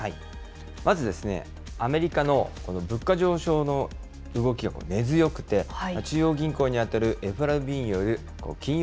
まずアメリカの物価上昇の動きが根強くて、中央銀行に当たるＦＲＢによる金融